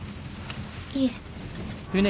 いえ。